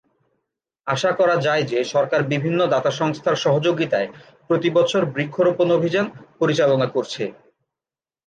আশা করা যায় যে সরকার বিভিন্ন দাতা সংস্থার সহযোগিতায় প্রতিবছর বৃক্ষরোপণ অভিযান পরিচালনা করছে।